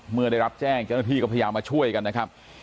เมื่อได้รับแจ้งเจ้าหน้าที่ก็พยายามมาช่วยกันนะครับ